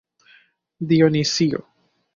Dionisio.